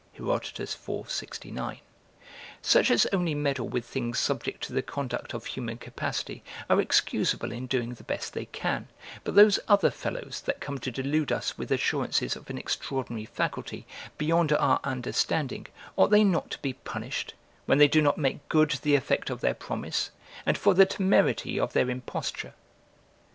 [Herodotus, iv. 69.] Such as only meddle with things subject to the conduct of human capacity, are excusable in doing the best they can: but those other fellows that come to delude us with assurances of an extraordinary faculty, beyond our understanding, ought they not to be punished, when they do not make good the effect of their promise, and for the temerity of their imposture?